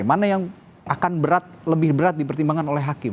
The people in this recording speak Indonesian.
mana yang akan berat lebih berat dipertimbangkan oleh hakim